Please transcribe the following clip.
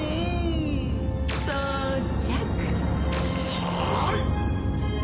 はい！